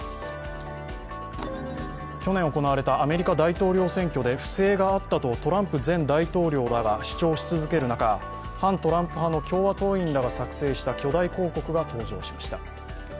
去年行われたアメリカ大統領選挙で不正があったとトランプ前大統領らが主張し続ける中反トランプ派の共和党員らが作成した巨大広告が登場しました。